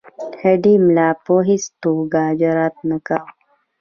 هډې ملا په هیڅ توګه جرأت نه کاوه.